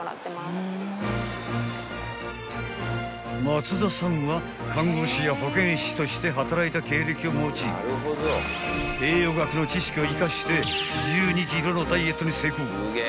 ［松田さんは看護師や保健師として働いた経歴を持ち栄養学の知識を生かして１２ｋｇのダイエットに成功］